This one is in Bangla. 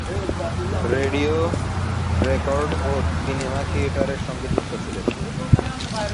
রেডিও রেকর্ড ও সিনেমা থিয়েটারের সঙ্গেও যুক্ত ছিলেন।